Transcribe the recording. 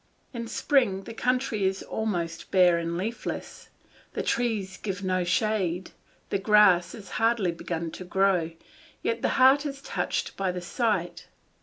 In spring the country is almost bare and leafless, the trees give no shade, the grass has hardly begun to grow, yet the heart is touched by the sight.